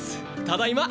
ただいま。